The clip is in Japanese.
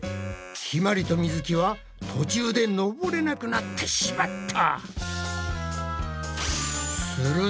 ひまりとみづきは途中で登れなくなってしまった。